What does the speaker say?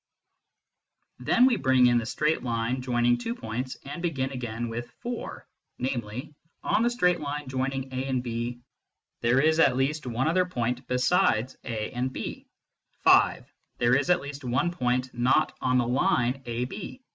Then we bring in the straight line joining two points, and begin again with (4), namely, on the straight line joining a and b, there is at least one other point besides a and b. (5) There is at least one point not on the line ab.